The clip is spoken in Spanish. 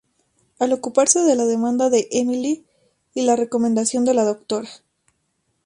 Al ocuparse de la demanda de Emily y la recomendación de la Dra.